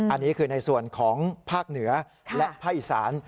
อันนี้คือในส่วนของภาคเหนือและภาคอีสาน